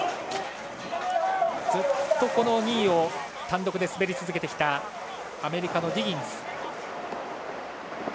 ずっと２位を単独で滑り続けてきたアメリカのディギンズ。